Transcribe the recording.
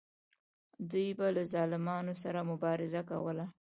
دوی به له ظالمانو سره مبارزه کوله.